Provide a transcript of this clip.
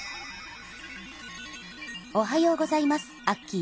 おはようございますアッキー。